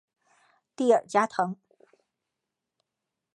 蒂尔加滕。